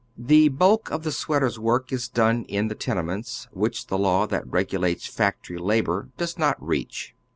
The bulk of the sweater's work is done in the tenements, which the law that regulates factory labor does not reach.